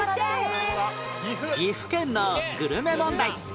岐阜県のグルメ問題